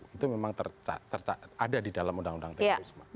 itu memang ada di dalam undang undang terorisme